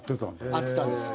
会ってたんですよ。